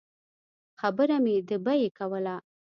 خبره مې د بیې کوله.